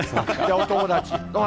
お友達？